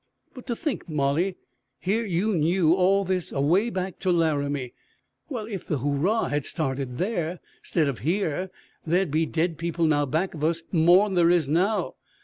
"But to think, Molly! Here you knew all this away back to Laramie! Well, if the hoorah had started there 'stead of here there'd be dead people now back of us more'n there is now.